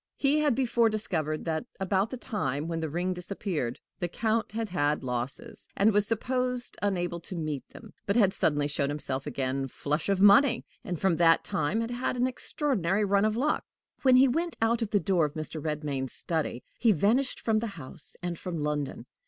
He had before discovered that, about the time when the ring disappeared, the Count had had losses, and was supposed unable to meet them, but had suddenly showed himself again "flush of money," and from that time had had an extraordinary run of luck. When he went out of the door of Mr. Redmain's study, he vanished from the house and from London.